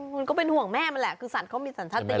มันก็เป็นห่วงแม่มันแหละคือสัตว์เขามีสัตว์ทัศน์ยาน